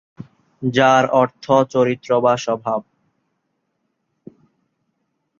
যার অর্থ চরিত্র বা স্বভাব।